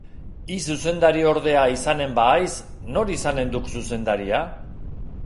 Hi zuzendariordea izanen bahaiz, nor izanen duk zuzendaria?